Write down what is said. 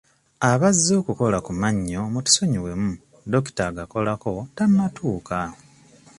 Abazze okukola ku mannyo mutusonyiwemu dokita agakolako tannatuuka.